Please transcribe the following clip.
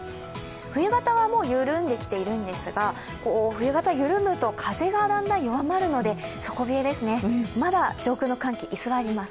冬型はもう緩んできているんですが冬型、緩むと風がだんだん弱まるので、底冷えですね、まだ上空の寒気、居すわります。